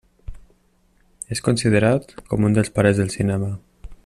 És considerat com un dels pares del cinema.